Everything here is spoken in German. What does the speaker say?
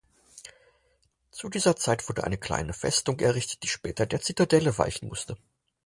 Zu dieser Zeit wurde eine kleine Festung errichtet, die später der Zitadelle weichen musste.